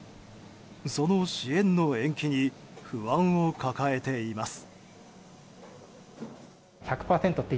その支援の延期に不安を抱えています。